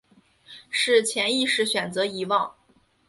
是潜意识选择遗忘